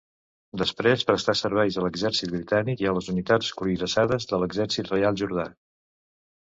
Després prestà serveis a l'exèrcit britànic i a les unitats cuirassades de l'Exèrcit reial jordà.